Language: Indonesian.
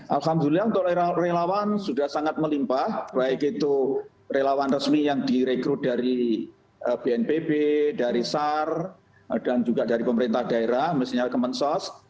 alhamdulillah untuk relawan sudah sangat melimpah baik itu relawan resmi yang direkrut dari bnpb dari sar dan juga dari pemerintah daerah misalnya kemensos